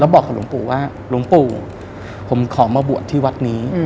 บอกกับหลวงปู่ว่าหลวงปู่ผมขอมาบวชที่วัดนี้